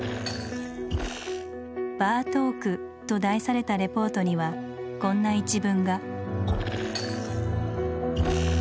「バー・トーク」と題されたレポートにはこんな一文が。